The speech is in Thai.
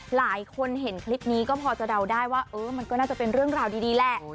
หลายคนเห็นคลิปนี้ก็พอจะเดาได้ว่าเออมันก็น่าจะเป็นเรื่องราวดีแหละ